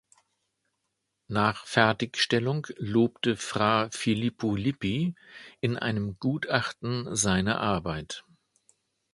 Nach Fertigstellung lobte Fra Filippo Lippi in einem Gutachten seine Arbeit.